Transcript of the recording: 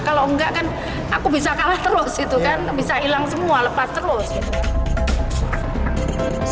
kalau enggak kan aku bisa kalah terus bisa hilang semua lepas terus